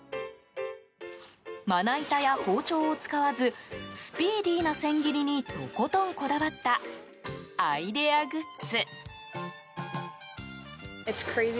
まな板や包丁を使わずスピーディーな千切りにとことんこだわったアイデアグッズ。